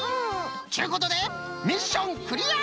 ちゅうことでミッションクリア！